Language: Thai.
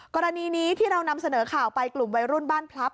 กรณีนี้ที่เรานำเสนอข่าวไปกลุ่มวัยรุ่นบ้านพลับ